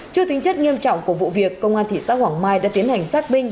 trừ tính chất nghiêm trọng của vụ việc công an thị xã hoàng mai đã tuyến hành sát binh